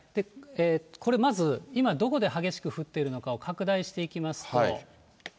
これまず、今、どこで激しく降っているのかを拡大していきますと。